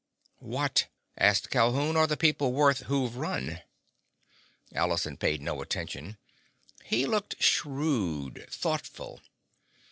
"What," asked Calhoun, "are the people worth who've run?" Allison paid no attention. He looked shrewd. Thoughtful.